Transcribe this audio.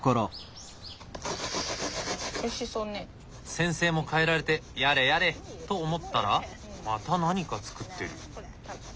先生も帰られてやれやれと思ったらまた何か作ってる。